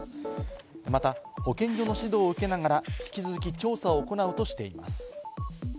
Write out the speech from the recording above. また、保健所の指導を受けながら、引き続き調査を行うとしています。